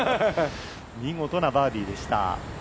見事なバーディーでした。